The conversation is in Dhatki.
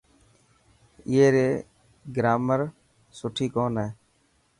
اي ري گرامر سڻي ڪون هي.